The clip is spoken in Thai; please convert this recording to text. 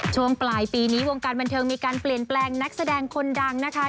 ช่วงปลายปีนี้วงการบันเทิงมีการเปลี่ยนแปลงนักแสดงคนดังนะคะ